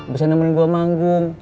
bisa nemenin gue om agung